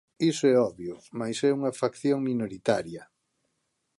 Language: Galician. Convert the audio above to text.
Iso é obvio, mais é unha facción minoritaria.